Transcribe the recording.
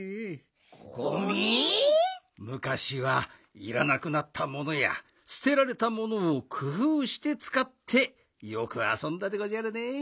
むかしはいらなくなったものやすてられたものをくふうしてつかってよくあそんだでごじゃるねえ。